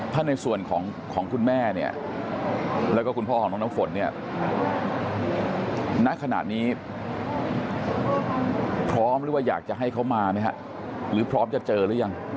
ถ้าในส่วนของคุณแม่เนี่ยแล้วก็คุณพ่อของน้องน้ำฝนเนี่ยณขณะนี้พร้อมหรือว่าอยากจะให้เขามาไหมฮะหรือพร้อมจะเจอหรือยัง